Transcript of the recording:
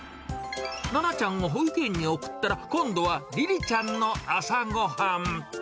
ななちゃんを保育園に送ったら、今度はりりちゃんの朝ごはん。